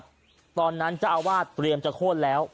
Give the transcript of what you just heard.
โดยเด็ดค่ะตอนนั้นเจ้าอาวาสเตรียมจะโคตรแล้ว